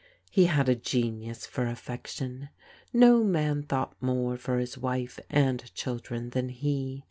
He had a genius for affection. No man thought more for his wife and children than he.